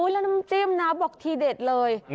แล้วน้ำจิ้มนะบอกทีเด็ดเลย